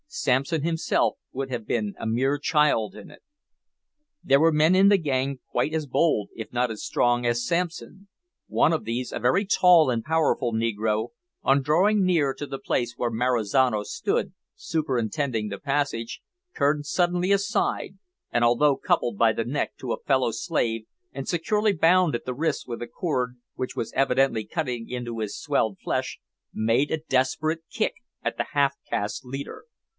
Samson himself would have been a mere child in it. There were men in the gang quite as bold, if not as strong, as Samson. One of these, a very tall and powerful negro, on drawing near to the place where Marizano stood superintending the passage, turned suddenly aside, and, although coupled by the neck to a fellow slave, and securely bound at the wrists with a cord, which was evidently cutting into his swelled flesh, made a desperate kick at the half caste leader.